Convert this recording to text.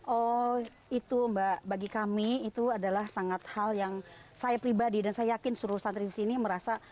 oh itu mbak bagi kami itu adalah sangat hal yang saya pribadi dan saya yakin seluruh santri di sini merasa